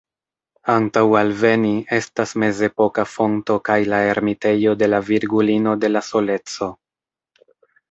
Antaŭ alveni, estas mezepoka fonto kaj la ermitejo de la Virgulino de la Soleco.